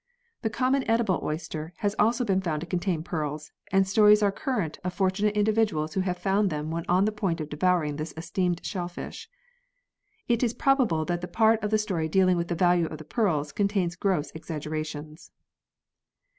The common edible oyster has also been found to contain pearls, and stories are current of fortunate individuals who have found them when on the point of devouring this esteemed shellfish. It is probable that the part of the story dealing with the value of the pearls contains gross exaggerations